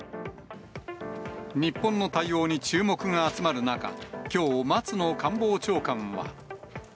日本の対応に注目が集まる中、きょう、松野官房長官は。